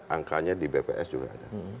angkanya di bps juga ada